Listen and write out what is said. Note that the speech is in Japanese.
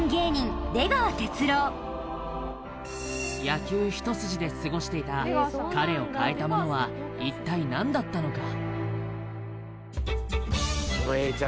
野球一筋ですごしていた彼を変えたものは一体何だったのか？